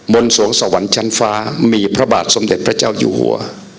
สวงสวรรค์ชั้นฟ้ามีพระบาทสมเด็จพระเจ้าอยู่หัว